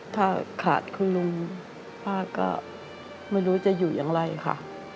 ถ้าขาดคุณลุงป้าก็ไม่รู้จะอยู่อย่างไรค่ะ